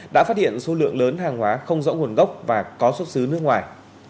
đã phát hiện số lượng lớn hàng hóa không rõ nguồn gốc và có xuất xứ nước ngoài